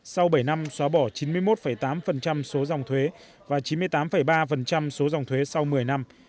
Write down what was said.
sau bảy năm xóa bỏ chín mươi một tám số dòng thuế và chín mươi tám ba số dòng thuế sau một mươi năm